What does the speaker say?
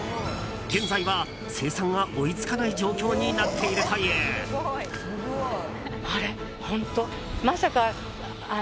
現在は、生産が追い付かない状況になっているという。